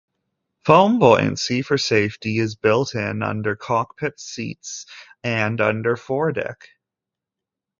Foam buoyancy for safety is built in under cockpit seats and under foredeck.